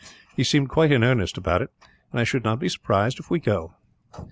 He seemed quite in earnest about it, and I should not be surprised if we go."